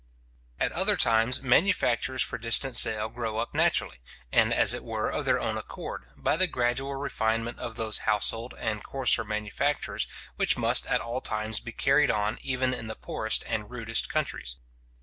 At other times, manufactures for distant sale grow up naturally, and as it were of their own accord, by the gradual refinement of those household and coarser manufactures which must at all times be carried on even in the poorest and rudest countries.